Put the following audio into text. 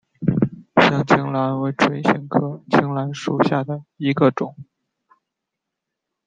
香青兰为唇形科青兰属下的一个种。